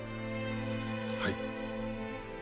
はい。